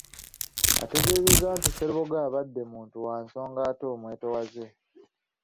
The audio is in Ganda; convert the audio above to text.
Ategeezezza nti Sserubogo abadde muntu wa nsonga ate omwetowaze.